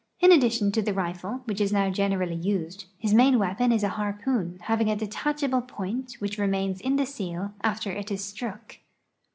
In addition to the rifle, which is now generally used, his main weapon is a harpoon having a detachable point which remains in the seal after it is struck.